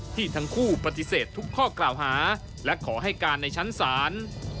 ทั้งคู่ปฏิเสธทุกข้อกล่าวหาและขอให้การในชั้นศาล